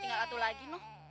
tinggal satu lagi noh